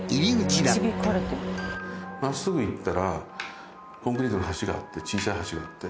まっすぐ行ったらコンクリートの橋があって小さい橋があって。